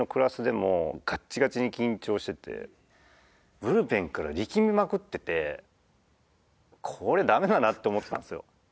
ブルペンから力みまくっててこれダメだなって思ってたんですよ。